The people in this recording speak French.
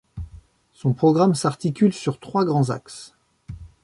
Son programme s'articule sur trois grands axes.